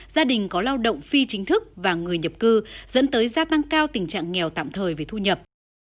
gia đình có lao động phi chính thức và người nhập cư dẫn tới gia tăng cao tình trạng nghèo tạm thời về thu nhập